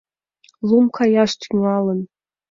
Лум каяш тӱҥалын.